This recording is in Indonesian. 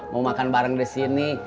mau makan bareng di sini